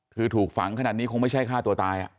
คือถูกฝังขนาดนี้คงไม่ใช่ฆ่าตัวตาย